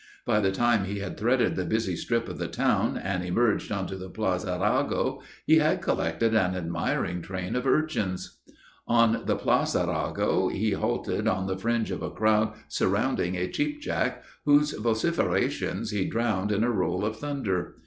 By the time he had threaded the busy strip of the town and emerged on to the Place Arago he had collected an admiring train of urchins. On the Place Arago he halted on the fringe of a crowd surrounding a cheap jack whose vociferations he drowned in a roll of thunder.